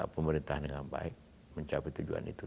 pemerintahan dengan baik mencapai tujuan itu